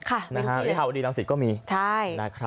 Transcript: ค่ะมีทุกที่วิทยาวดีลังศิษย์ก็มีใช่